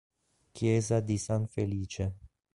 Chiesa di San Felice